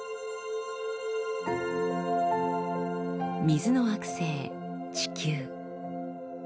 水の惑星地球。